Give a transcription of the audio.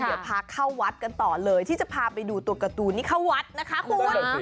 เดี๋ยวพาเข้าวัดกันต่อเลยที่จะพาไปดูตัวการ์ตูนนี่เข้าวัดนะคะคุณ